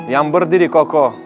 yang berdiri kokoh